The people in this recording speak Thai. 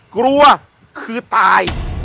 กลัวคือตาย